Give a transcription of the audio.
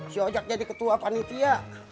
si ojek jadi ketua panitia